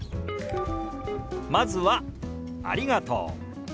まずは「ありがとう」。